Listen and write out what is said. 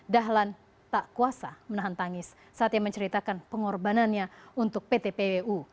dahlan tak kuasa menahan tangis saat ia menceritakan pengorbanannya untuk pt pwu